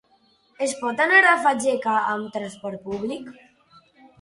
Es pot anar a Fageca amb transport públic?